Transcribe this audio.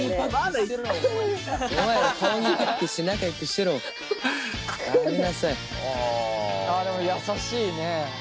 あでも優しいね。